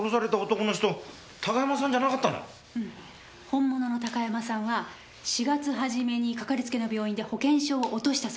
本物の高山さんは４月初めにかかりつけの病院で保険証を落としたそうです。